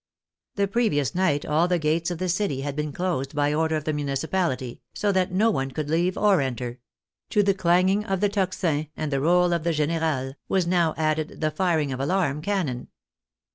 The previous night all the gates of the city had been closed by order of the municipality, so that none could leave or enter ; to the clanging of the tocsin and the roll of the generale, was now added the firing of alarm can non.